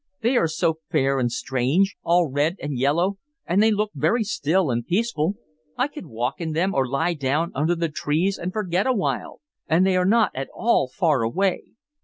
They are so fair and strange, all red and yellow, and they look very still and peaceful. I could walk in them, or lie down under the trees and forget awhile, and they are not at all far away."